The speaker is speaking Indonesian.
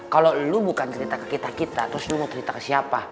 kalau lu bukan cerita ke kita kita terus lo mau cerita ke siapa